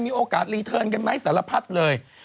โอกาสรีเทิร์นกันไหมสารพัดเลย